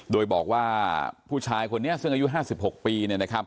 โดยบอกว่าผู้ชายคนนี้ซึ่งอายุ๕๖ปี